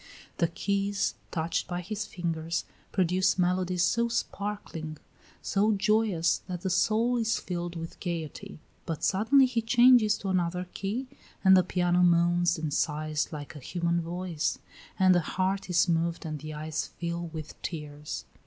The keys, touched by his fingers, produce melodies so sparkling, so joyous, that the soul is filled with gayety; but suddenly he changes to another key and the piano moans and sighs like a human voice, and the heart is moved and the eyes fill with tears.